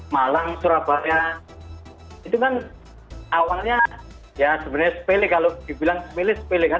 malang surabaya itu kan awalnya ya sebenarnya sepele kalau dibilang milih sepilih kan